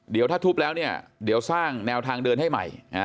เดี๋ยวถ้าทุบแล้วเนี่ยเดี๋ยวสร้างแนวทางเดินให้ใหม่